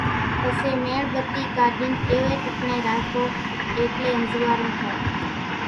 پسي ميڻ ٻتي ڪاڍين ايوي ٺڪاڻي راکو ايٽلي انزوئارون ٿائي